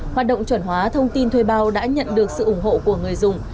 hoạt động chuẩn hóa thông tin thuê bao đã nhận được sự ủng hộ của người dùng